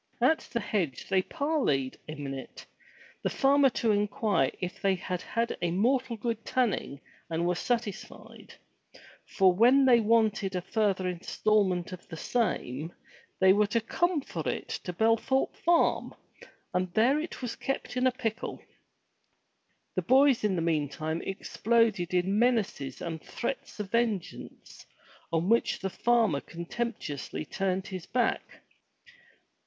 At the hedge they parleyed a minute, the farmer to inquire if they had had a mortal good tanning and were satisfied, for when they wanted a further instalment of the same they were to come for it to Bel thorpe Farm, and there it was kept in pickle! The boys meantime exploded in menaces and threats of vengeance, on which the farmer contemptuously turned his back.